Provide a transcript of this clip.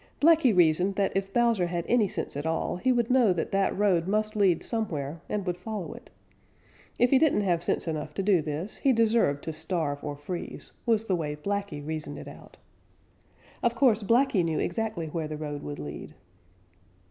Blacky reasoned that if Bowser had any sense at all, he would know that that road must lead somewhere and would follow it. If he didn't have sense enough to do this, he deserved to starve or freeze, was the way Blacky reasoned it out. Of course Blacky knew exactly where the road would lead.